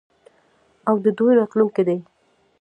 او د دوی راتلونکی دی.